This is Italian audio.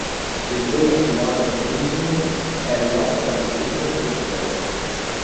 In quella stilata da "Billboard", è arrivata alla ventesima posizione.